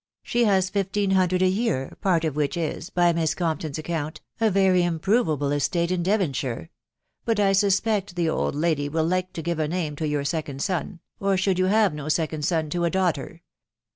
.•• she has fifteen hundred a year, part of which is, by Miss dompton's account, a very improvable estate in Devonshire ;— but I inspect the old lady will like to give a name to your second sen, or should you have no second son, to a daughter.